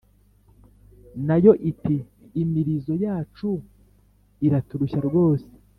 Na yo iti: “Imirizo yacu iraturushya rwose.